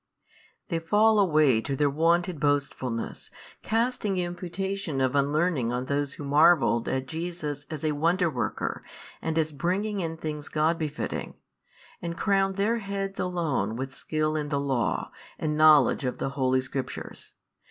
They fall away to their wonted boastfulness, casting imputation of unlearning on those who marvelled at Jesus as a wonder worker and as bringing in things God befitting, and crown their own heads alone with skill in the law and |558 knowledge of the holy Scriptures.